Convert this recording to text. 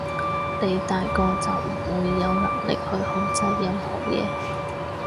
你大個就唔會有能力去控制任何嘢